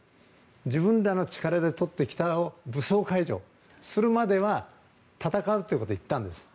自分らの力でとってきた領土を武装解除するまでは戦うと言ったんです。